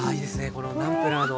このナムプラーの。